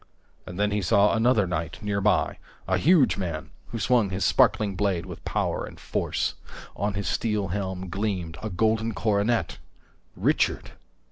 And then he saw another knight nearby, a huge man who swung his sparkling blade with power and force. On his steel helm gleamed a golden coronet! Richard!